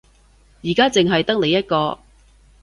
而家淨係得你一個